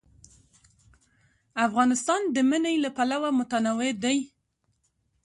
افغانستان د منی له پلوه متنوع دی.